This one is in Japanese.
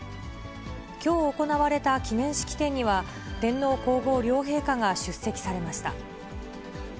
きょう行われた記念式典には、天皇皇后両陛下が出席されました。